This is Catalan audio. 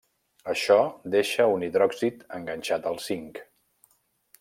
Això deixa un hidròxid enganxat al zinc.